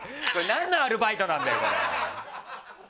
何のアルバイトなんだよ！